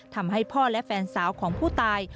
ทำให้พ่อและแฟนสาวของผู้ตาย